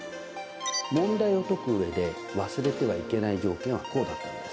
問題を解く上で忘れてはいけない条件はこうだったんです。